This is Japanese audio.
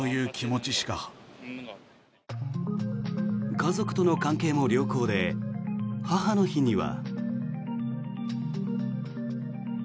家族との関係も良好で母の日には。